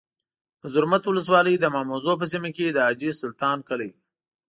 د زرمت ولسوالۍ د ماموزو په سیمه کي د حاجي سلطان کلی